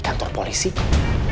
bargain di sana